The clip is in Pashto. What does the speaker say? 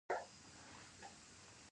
د خوندیتوب خولۍ اغوستل ضروري دي.